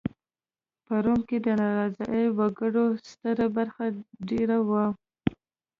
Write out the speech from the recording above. په روم کې د ناراضه وګړو ستره برخه دېره وه